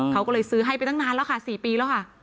เขาก็เลยซื้อให้ไปตั้งนานแล้วค่ะ๔ปีแล้วค่ะ